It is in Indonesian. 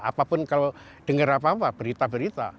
apapun kalau dengar apa apa berita berita